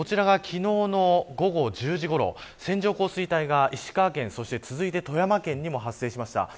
こちらが昨日の午後１０時ごろ線状降水帯が石川県そして続いて富山県にも発生しました。